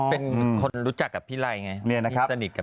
เป็นคนรู้จักไพ่ไลค์